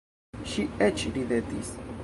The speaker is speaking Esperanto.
Ŝi eĉ ridetis.